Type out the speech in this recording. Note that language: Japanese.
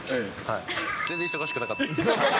全然忙しくなかったです。